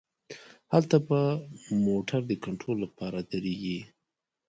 هلته به موټر د کنترول له پاره دریږي.